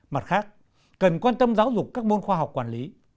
mặt khác cần quan tâm giáo dục các môn khoa học quản lý